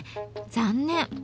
残念。